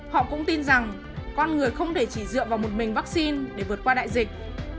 họ cũng tin rằng con người không để chỉ dựa vào một mình vaccine để vượt qua đại dịch